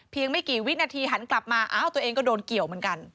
ไม่กี่วินาทีหันกลับมาอ้าวตัวเองก็โดนเกี่ยวเหมือนกัน